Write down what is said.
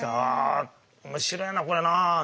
「あ面白いなこれなあ」